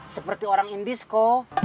seperti orang indisco